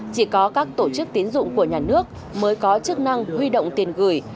chỉ có các tổ chức tiến dụng của nhà nước mới có chức năng huy động tiền gửi